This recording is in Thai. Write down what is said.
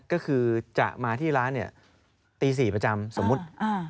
ก็คือจะมาที่ร้านเนี่ยตี๔ประจำสมมุติ